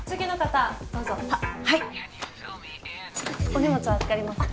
お荷物預かりますね。